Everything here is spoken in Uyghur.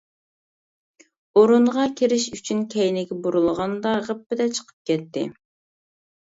ئورۇنغا كىرىش ئۈچۈن كەينىگە بۇرۇلغاندا غىپپىدە چىقىپ كەتتى.